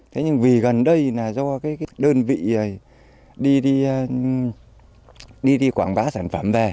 thế nhưng vì gần đây là do cái đơn vị đi đi quảng bá sản phẩm về